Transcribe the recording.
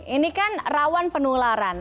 ini kan rawan penularan